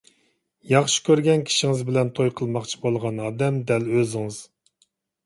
ياخشى كۆرگەن كىشىڭىز بىلەن توي قىلماقچى بولغان ئادەم دەل ئۆزىڭىز!